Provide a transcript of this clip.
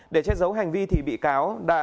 để trách dấu hành vi thì bị cáo